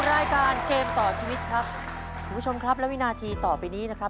รายการเกมต่อชีวิตครับคุณผู้ชมครับและวินาทีต่อไปนี้นะครับ